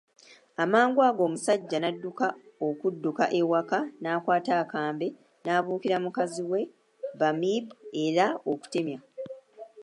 Amangu ago omusaijja n'adduka okudda ewaka n'akwata akambe n'abuukira mukazi we bamib era okutemya